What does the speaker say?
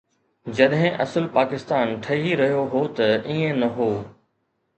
جڏهن اصل پاڪستان ٺهي رهيو هو ته ائين نه هو.